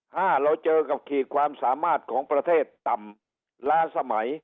ห้าเราเจอกับขีดความสามารถของประเทศต่ำล้าสมัย